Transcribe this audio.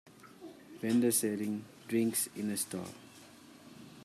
Vendor selling drinks in a stall.